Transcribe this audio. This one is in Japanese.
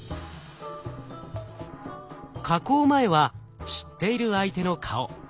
加工前は知っている相手の顔。